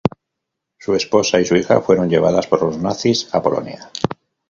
Su esposa y su hija fueron llevadas por los nazis a Polonia.